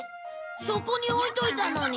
そこに置いておいたのに。